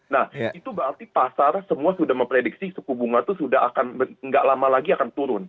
nah itu berarti pasar semua sudah memprediksi suku bunga itu sudah akan nggak lama lagi akan turun